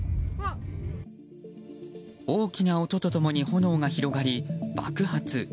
大きな音と共に炎が広がり、爆発。